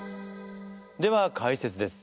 では解説です。